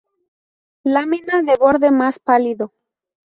Lámina de borde más pálido.